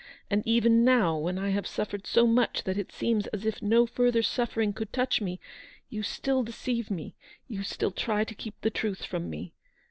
And even now, when I have suffered so much that it seems as if no further suffering could touch me, you still deceive me, you still try to keep the truth from me.